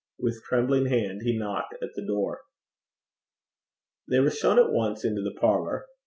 With trembling hand he knocked at the door. They were shown at once into the parlour.